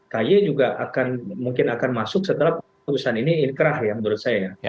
kay juga mungkin akan masuk setelah putusan ini ikrah ya menurut saya